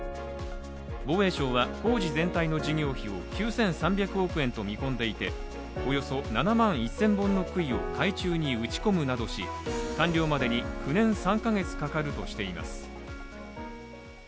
防衛省は工事全体の事業費を９３００億円と見込んでいておよそ７万１０００本のくいを海中に打ち込むなどし完了までに９年３か月かかるとしています。